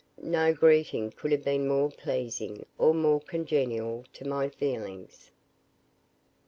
No greeting could have been more pleasing or more congenial to my feelings.